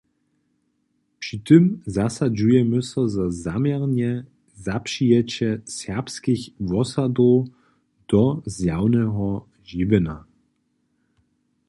Při tym zasadźujemy so za zaměrnje zapřijeće serbskich wobsahow do zjawneho žiwjenja.